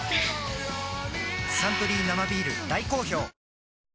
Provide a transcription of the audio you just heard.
「サントリー生ビール」大好評